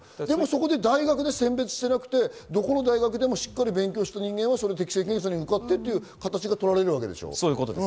大学で選別していなくて、どこの大学でもしっかり勉強した人間は適性検査に受かってという形が取られるわけでしょう。